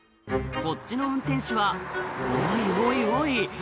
こっちの運転手はおいおいおい！